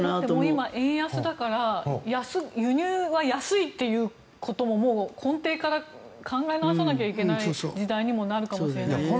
今、円安だから輸入は安いということももう根底から考え直さなきゃいけない時代になるかもしれないし。